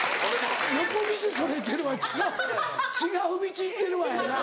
横道それてるわ違う道行ってるわやな。